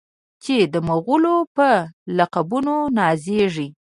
چې د مغلو په لقبونو نازیږي.